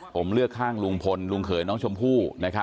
ผมเลือกข้างลุงพลลุงเขยน้องชมพู่